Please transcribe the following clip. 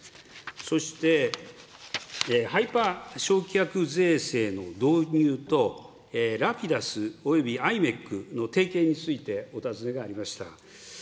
そしてハイパー償却税制の導入と、Ｒａｐｉｄｕｓおよびｉｍｅｃの提携についてお尋ねがありました。